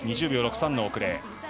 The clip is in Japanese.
２０秒６３の遅れ。